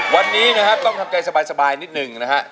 วันนี้นะครับต้องทำใจสบายนิดหนึ่งนะฮะ